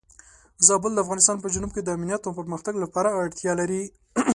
زابل د افغانستان په جنوب کې د امنیت او پرمختګ لپاره اړتیا لري.